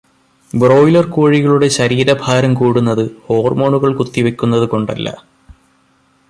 Broiler കോഴികളുടെ ശരീരഭാരം കൂടുന്നത് ഹോർമോണുകൾ കുത്തി വെക്കുന്നത് കൊണ്ടല്ല.